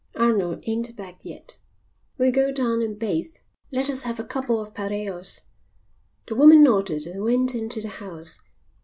"Arnold ain't back yet." "We'll go down and bathe. Let us have a couple of pareos." The woman nodded and went into the house.